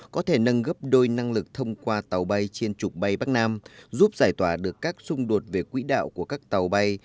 có thể nâng gấp đôi năng lực thông qua tàu bay trên trục bay bắc nam giúp giải tỏa được các xung đột về quỹ đạo của các tàu bay